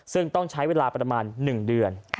ซึ่งต้องใช้เวลาประมาณ๑เดือน